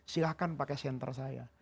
silahkan pakai senter saya